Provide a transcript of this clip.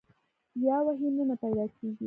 یا وحي نه نۀ پېدا کيږي